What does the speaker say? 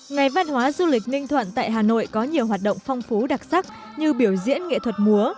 ngày văn hóa du lịch ninh thuận tại hà nội có nhiều hoạt động phong phú đặc sắc như biểu diễn nghệ thuật múa